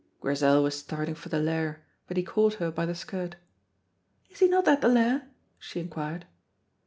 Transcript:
Grizel was starting for the Lair, but he caught her by the skirt. "Is he not at the Lair?" she inquired.